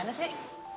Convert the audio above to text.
ini ada barusan ini ya